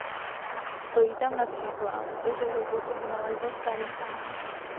Stojí tam například, že roboty vynalezl starý pán.